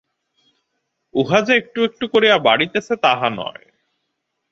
উহা যে একটু একটু করিয়া বাড়িতেছে, তাহা নয়।